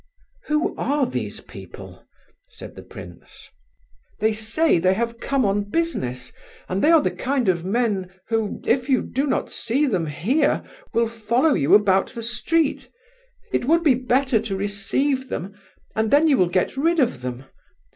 "Who are these people?" said the prince. "They say that they have come on business, and they are the kind of men, who, if you do not see them here, will follow you about the street. It would be better to receive them, and then you will get rid of them.